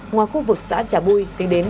ngoài khu vực xã trà bui tính đến